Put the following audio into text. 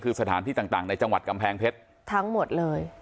คือสถานที่ต่างในจังหวัดกำแพงเพชรทั้งหมดเลย